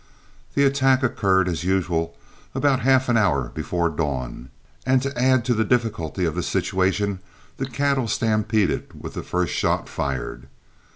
The attack occurred, as usual, about half an hour before dawn, and, to add to the difficulty of the situation, the cattle stampeded with the first shot fired.